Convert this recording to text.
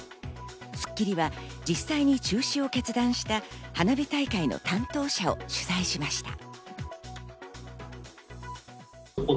『スッキリ』は実際に中止を決断した花火大会の担当者を取材しました。